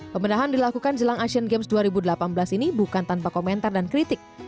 pemenahan dilakukan jelang asian games dua ribu delapan belas ini bukan tanpa komentar dan kritik